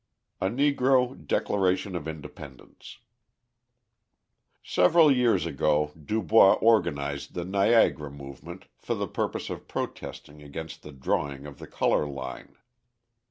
A Negro Declaration of Independence Several years ago Du Bois organised the Niagara movement for the purpose of protesting against the drawing of the colour line.